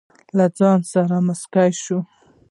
له ځانه سره موسکه شوه.